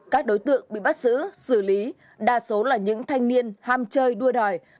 các đối tượng bị bắt giữ xử lý đa số là những thanh niên ham chơi đua đòi